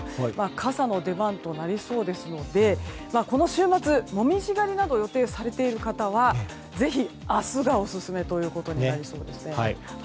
傘の出番となりそうですのでこの週末、紅葉狩りなどを予定されている方はぜひ、明日がオススメということになりそうです。